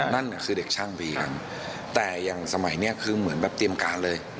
นั่นน่ะคือเด็กช่างบีกันแต่อย่างสมัยนี้คือเหมือนแบบเตรียมการเลย